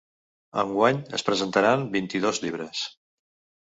Enguany es presentaran vint-i-dos llibres.